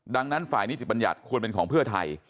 ดังนั้นฝ่ายนิติบัญญัติควรเป็นของเพื่อไทย